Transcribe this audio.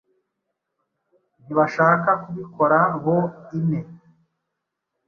Ntibashaka kubikora boine.